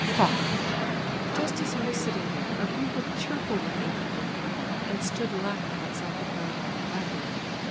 Faugh! Just as he was sitting there, a group of cheerful looking people came by, and stood laughing outside the Carolina library.